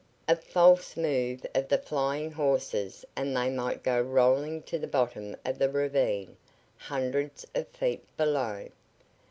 A false move of the flying horses and they might go rolling to the bottom of the ravine, hundreds of feet below.